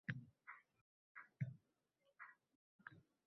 Bordi-yu, u o`lib qolsa, mol-mulk kimga qoladi